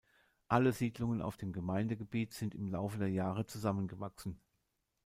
Alle Siedlungen auf dem Gemeindegebiet sind im Laufe der Jahre zusammengewachsen.